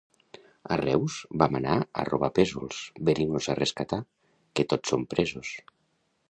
A Reus vam anar a robar pèsols; veniu-nos a rescatar, que tots som presos.